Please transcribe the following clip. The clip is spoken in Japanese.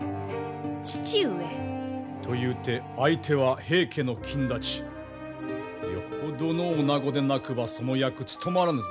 父上！というて相手は平家の公達よほどの女子でなくばその役務まらぬぞ。